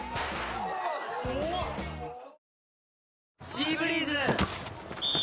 「シーブリーズ」！